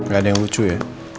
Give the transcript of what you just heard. gak ada yang lucu ya